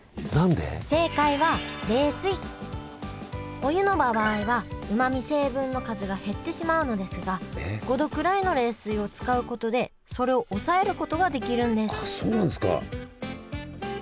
お湯の場合はうまみ成分の数が減ってしまうのですが５℃くらいの冷水を使うことでそれを抑えることができるんですそうなんですか。